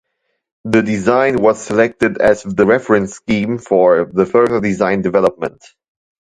The design was selected as the Reference Scheme for the further design development.